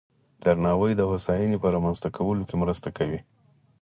درناوی د هوساینې په رامنځته کولو کې مرسته کوي.